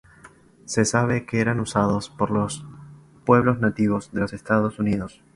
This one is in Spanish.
Se sabe que eran usados por los Pueblos nativos de los Estados Unidos.